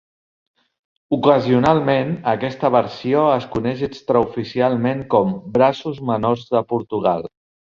Ocasionalment, aquesta versió es coneix extraoficialment com "braços menors de Portugal".